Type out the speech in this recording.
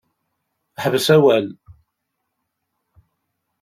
Ḥbes awal.